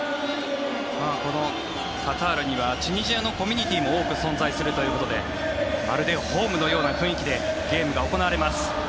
このカタールにはチュニジアのコミュニティーも多く存在するということでまるでホームのような雰囲気でゲームが行われます。